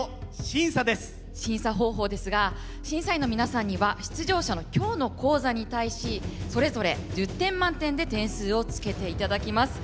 審査方法ですが審査員の皆さんには出場者の今日の高座に対しそれぞれ１０点満点で点数をつけていただきます。